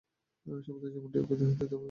সমুদ্র যেমন ঢেউ নয়, হিন্দু তেমনি দল নয়।